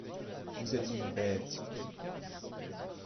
Vous êtes une bête !